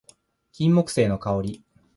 金木犀の香り